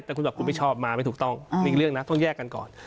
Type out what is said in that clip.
แต่คุณบอกคุณไม่ชอบมาไม่ถูกต้องมีอีกเรื่องนะต้องแยกกันก่อน